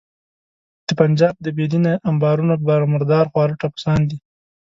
د پنجاب د بې دینه امبارونو مردار خواره ټپوسان دي.